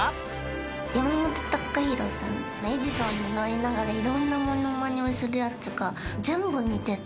『エジソン』に乗りながらいろんなものまねをするやつが全部似てた。